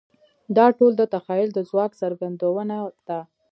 دا ټول د تخیل د ځواک څرګندونه ده.